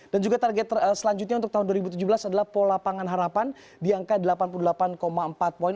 dan juga target selanjutnya untuk tahun dua ribu tujuh belas adalah pola pangan harapan di angka delapan puluh delapan empat poin